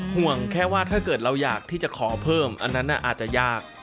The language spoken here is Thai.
ห่วงแค่ว่าถ้าเกิดเราอยากที่จะขอเพิ่มอันนั้นอาจจะยาก